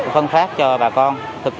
phân phát cho bà con